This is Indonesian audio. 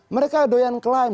mereka doyan klaim